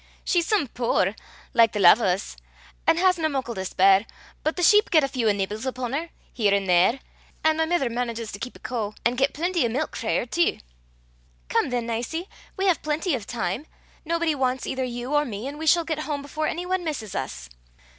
"She's some puir, like the lave o' 's, an' hasna muckle to spare, but the sheep get a feow nibbles upon her, here an' there; an' my mither manages to keep a coo, an' get plenty o' milk frae her tee." "Come, then, Nicie. We have plenty of time. Nobody wants either you or me, and we shall get home before any one misses us."